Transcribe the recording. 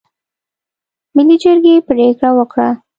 ملي جرګې پرېکړه وکړه.